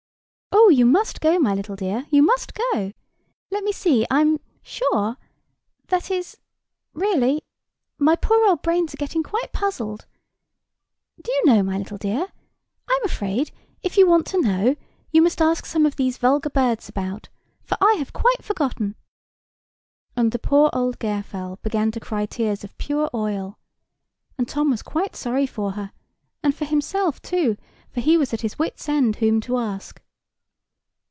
"Oh, you must go, my little dear—you must go. Let me see—I am sure—that is—really, my poor old brains are getting quite puzzled. Do you know, my little dear, I am afraid, if you want to know, you must ask some of these vulgar birds about, for I have quite forgotten." And the poor old Gairfowl began to cry tears of pure oil; and Tom was quite sorry for her; and for himself too, for he was at his wit's end whom to ask.